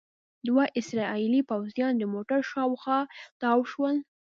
دوه اسرائیلي پوځیان د موټر شاوخوا تاو شول.